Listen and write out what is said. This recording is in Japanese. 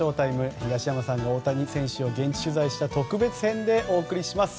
東山さんが大谷選手を現地取材した特別編でお送りします。